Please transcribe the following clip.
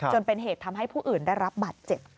จนเป็นเหตุทำให้ผู้อื่นได้รับบาดเจ็บ